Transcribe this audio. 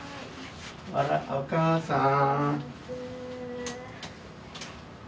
あら、お母さん。